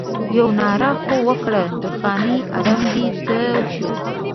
یوه ناره خو وکړه درخانۍ ادم دې څه شو؟